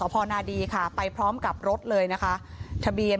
อืมเขาไม่ได้เขาไม่ได้แตกต้นสก